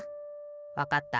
わかった。